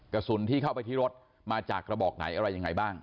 กระสุนที่เข้าไปที่รถมาจากกระบอกไหนอะไรยังไงบ้าง